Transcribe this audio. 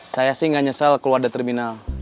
saya sih nggak nyesel keluar dari terminal